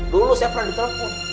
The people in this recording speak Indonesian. dulu siapa yang diterapun